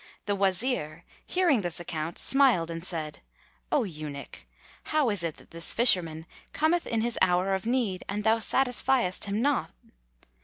the Wazir, hearing this account, smiled and said, "O Eunuch, how is it that this Fisherman cometh in his hour of need and thou satisfiest him not?